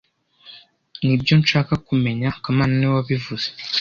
Nibyo nshaka kumenya kamana niwe wabivuze